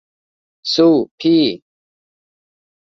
สู้พี่